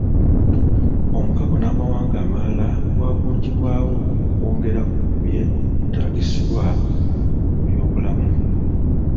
Omukago n'amawanga amalala gwagunjibwawo okwongera ku byetaagisibwa mu byobulamu.